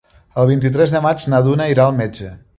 El vint-i-tres de maig na Duna irà al metge.